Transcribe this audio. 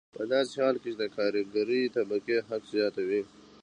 په داسې حال کې چې د کارګرې طبقې حق زیات دی